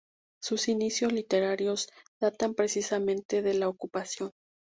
Sus inicios literarios datan precisamente de la Ocupación.